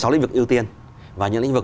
sáu lĩnh vực ưu tiên và những lĩnh vực